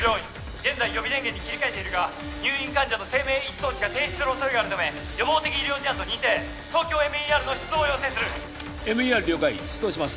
現在予備電源に切り替えているが入院患者の生命維持装置が停止する恐れがあるため予防的医療事案と認定ＴＯＫＹＯＭＥＲの出動を要請するＭＥＲ了解出動します